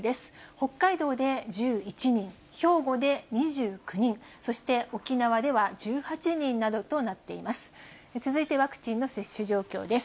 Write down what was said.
北海道で１１人、兵庫で２９人、そして沖縄では１８人などとなっています。